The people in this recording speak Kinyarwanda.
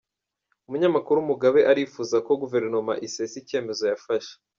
Umunyamakuru Mugabe arifuza ko Guverinoma isesa icyemezo yafashe